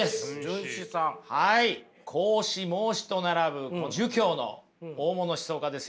孔子孟子と並ぶ儒教の大物思想家ですよ。